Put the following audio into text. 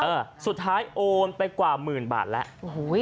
อ้าวสุดท้ายโอนไปกว่ามื่นบาทแล้ว